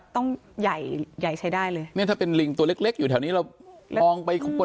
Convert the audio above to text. ต้องใหญ่ใหญ่ใช้ได้เลยเนี่ยถ้าเป็นลิงตัวเล็กเล็กอยู่แถวนี้เรามองไปคน